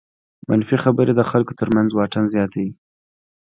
منفي خبرې د خلکو تر منځ واټن زیاتوي.